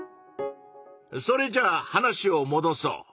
それじゃあ話をもどそう。